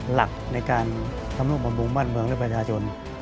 หลักในการทำลูกบำรุงบ้านเมืองและประชาชน